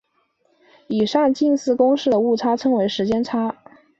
以上近似公式的误差称为时间差。